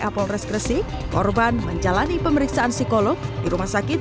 kapolres gresik korban menjalani pemeriksaan psikolog di rumah sakit